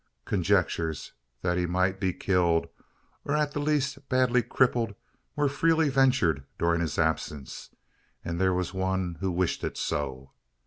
Conjectures that he might be killed, or, at the least, badly "crippled," were freely ventured during his absence; and there was one who wished it so.